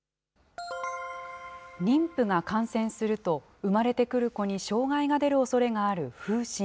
妊婦が感染すると、生まれてくる子に障害が出るおそれがある風疹。